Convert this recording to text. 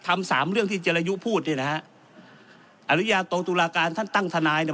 สามเรื่องที่เจรยุพูดเนี่ยนะฮะอริยาโตตุลาการท่านตั้งทนายเนี่ย